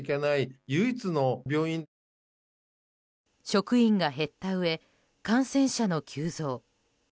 職員が減ったうえ感染者の急増。